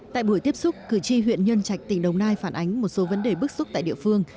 tại buổi tiếp xúc cử tri huyện nhân trạch tỉnh đồng nai phản ánh một số vấn đề bức xúc tại địa phương